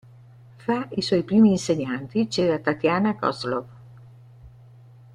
Fra i suoi primi insegnanti c'era Tatiana Kozlov.